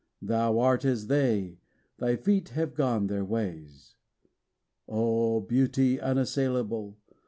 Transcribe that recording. Thou art as they; thy feet have gone their ways. O beauty unassailable!